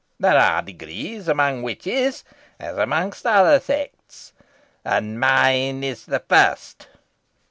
There are degrees among witches, as among other sects, and mine is the first.